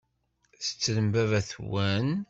Tettrem baba-twen?